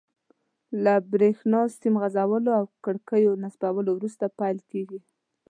له بریښنا سیم غځولو او کړکیو نصبولو وروسته پیل کیږي.